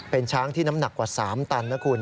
เป็นช้างที่น้ำหนักกว่า๓ตันนะคุณ